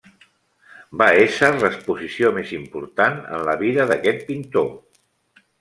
Va ésser l'exposició més important en la vida d'aquest pintor.